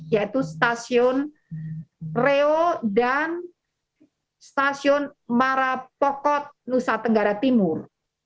yaitu stasiun reo dan stasiun marapokot nusa tenggara timur